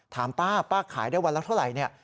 ถามป้าป้าขายได้วันแล้วเท่าไหร่